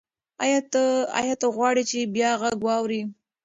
ایا ته غواړې چې بیا غږ واورې؟